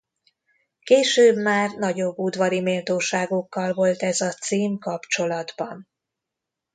Később már nagyobb udvari méltóságokkal volt ez a cím kapcsolatban.